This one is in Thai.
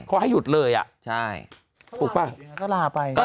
เขาให้หยุดเลยอ่ะถูกป่ะก็ลากิจ